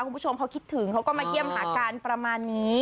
คุณผู้ชมเขาคิดถึงเขาก็มาเยี่ยมหากันประมาณนี้